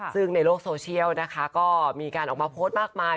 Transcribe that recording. ซึ่งในโลกโซเชียลนะคะก็มีการออกมาโพสต์มากมาย